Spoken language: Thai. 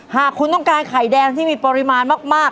หากคุณต้องการไข่แดงที่มีปริมาณมาก